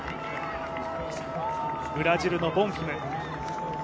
ブラジルのボンフィム。